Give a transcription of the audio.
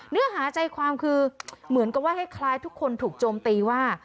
เนื้อหาใจความคือเหมือนกับว่าให้คล้ายทุกคนถูกโจมตีว่า